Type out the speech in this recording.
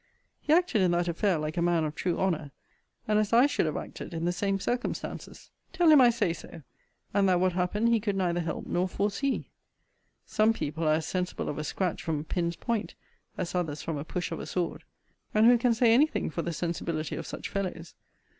He acted in that affair like a man of true honour, and as I should have acted in the same circumstances. Tell him I say so; and that what happened he could neither help nor foresee. Some people are as sensible of a scratch from a pin's point, as others from a push of a sword: and who can say any thing for the sensibility of such fellows?